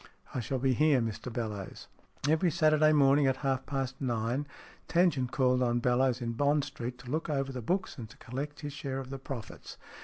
" I shall be here, Mr Bellowes." Every Saturday morning at half past nine Tan gent called on Bellowes in Bond Street, to look over the books and to collect his share of the profits.